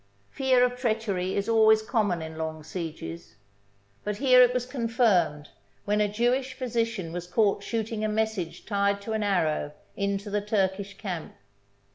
Fear of treachery is always common in long sieges, but here it was confirmed when a Jewish physician was caught shooting a message tied to an arrow into the Turk ish camp.